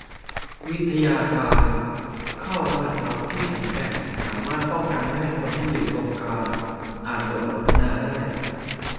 วิทยาการเข้ารหัสลับที่แข็งแกร่งสามารถป้องกันไม่ให้คนที่อยู่ตรงกลางอ่านบทสนทนาได้